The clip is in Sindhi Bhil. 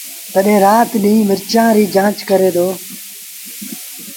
تڏهيݩ رآت ڏيݩهݩ مرچآݩ ريٚ جآݩچ ڪري دو